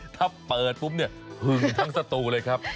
เดี๋ยวใจเย็นถ้าเปิดปุ๊บเนี่ยพึงทั้งสตูเลยครับ